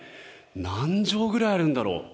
何畳ぐらいあるんだろう。